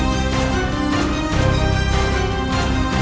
terima kasih nak